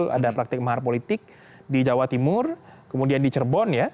itu juga muncul ada praktik mahar politik di jawa timur kemudian di cerbon ya